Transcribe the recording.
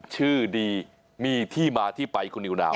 ชื่อดีมีที่มาที่ไปคุณนิวนาว